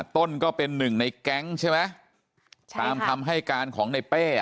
ต้นก็เป็นหนึ่งในแก๊งใช่ไหมตามคำให้การของในเป้